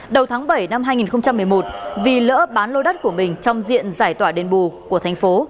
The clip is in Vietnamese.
đầu tháng bảy năm hai nghìn một mươi một vì lỡ bán lô đất của mình trong diện giải tỏa đền bù của thành phố